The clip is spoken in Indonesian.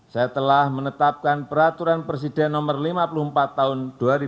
saya telah menetapkan peraturan presiden no lima puluh empat tahun dua ribu tujuh belas